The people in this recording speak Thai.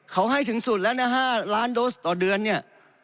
เขาให้ถึงสุดแล้วนะ๕ล้านโดสต่อเดือนเนี่ย